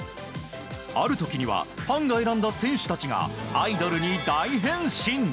ある時にはファンが選んだ選手たちがアイドルに大変身！